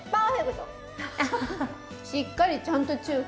しっかりちゃんと中華。